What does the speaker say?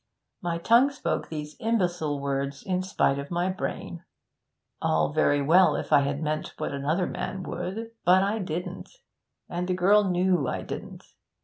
My tongue spoke these imbecile words in spite of my brain. All very well, if I had meant what another man would; but I didn't, and the girl knew I didn't.